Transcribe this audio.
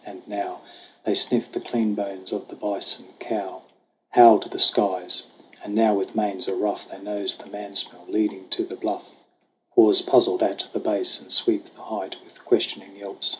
And now They sniff the clean bones of the bison cow, Howl to the skies ; and now with manes a rough They nose the man smell leading to the bluff; Pause puzzled at the base and sweep the height With questioning yelps.